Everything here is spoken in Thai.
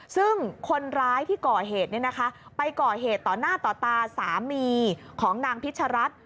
ซึ่งคนร้ายที่ก่อเหตุไปก่อเหตุต่อหน้าต่อตาสามีของนางพิชรัฐ